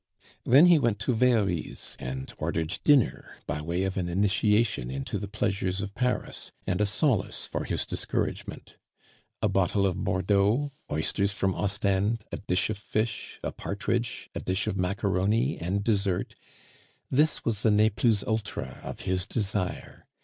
Then he went to Very's and ordered dinner by way of an initiation into the pleasures of Paris, and a solace for his discouragement. A bottle of Bordeaux, oysters from Ostend, a dish of fish, a partridge, a dish of macaroni and dessert, this was the ne plus ultra of his desire.